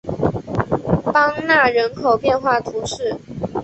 邦讷人口变化图示